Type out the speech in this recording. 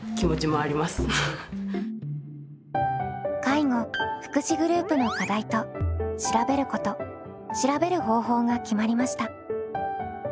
介護・福祉グループの課題と「調べること」「調べる方法」が決まりました。